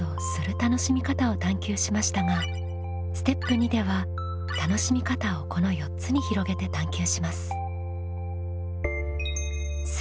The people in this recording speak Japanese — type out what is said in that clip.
楽しみ方を探究しましたがステップ２では楽しみ方をこの４つに広げて探究します。